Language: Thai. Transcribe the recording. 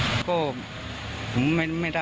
ติดเครื่องหรือว่าตัดเครื่องไหม